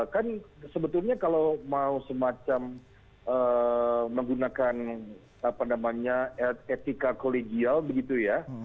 kan sebetulnya kalau mau semacam menggunakan etika kolegial begitu ya